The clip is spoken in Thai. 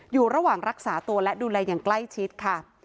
อยู่ระหว่างรักษาตัวและดูแลอย่างใกล้ชิดค่ะ